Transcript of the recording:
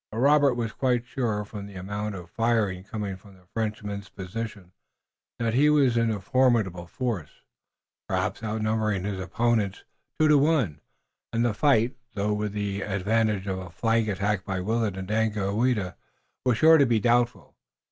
But Robert was quite sure from the amount of firing coming from the Frenchman's position that he was in formidable force, perhaps outnumbering his opponents two to one, and the fight, though with the advantage of a flank attack by Willet and Daganoweda, was sure to be doubtful.